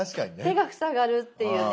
手が塞がるっていうね。